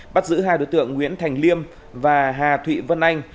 bắt giữ hai đối tượng nguyễn thành liêm và hà thụy vân anh